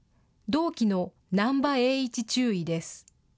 同期の難波榮一中尉です。